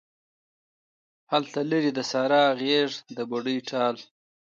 هلته لیرې د سارا غیږ د بوډۍ ټال